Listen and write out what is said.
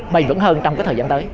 mày vững hơn trong cái thời gian tới